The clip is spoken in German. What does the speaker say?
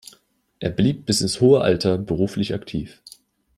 Er blieb bis ins hohe Alter beruflich aktiv.